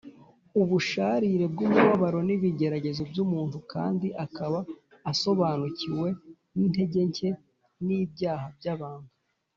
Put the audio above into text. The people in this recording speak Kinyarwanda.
ubusharire bw’umubabaro n’ibigeragezo by’umuntu, kandi akaba asobanukiwe n’intege nke n’ibyaha by’abantu